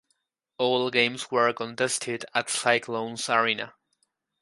All games were contested at Cyclones Arena.